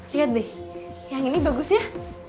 lihat nih yang ini bagusnya